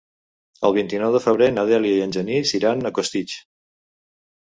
El vint-i-nou de febrer na Dèlia i en Genís iran a Costitx.